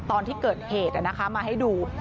ตอนที่เกิดเหตุมาให้ดู